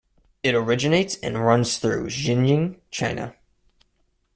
It originates and runs through Xingning, China.